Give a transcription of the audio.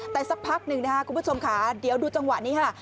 แต่สักพักหนึ่งนะคะคุณผู้ชมค่ะเดี๋ยวดูจังหวะนี้ค่ะ